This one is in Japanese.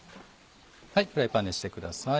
フライパン熱してください。